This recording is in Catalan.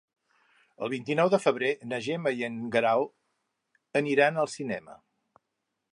El vint-i-nou de febrer na Gemma i en Guerau aniran al cinema.